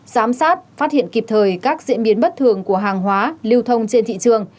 giám sát phát hiện kịp thời các diễn biến bất thường của hàng hóa lưu thông trên thị trường